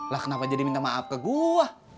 lah kenapa jadi minta maaf ke gue